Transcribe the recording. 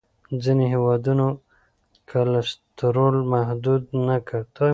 ځینو هېوادونو کلسترول محدود نه کړ.